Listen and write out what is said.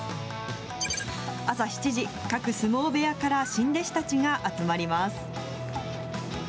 朝７時、各相撲部屋から新弟子たちが集まります。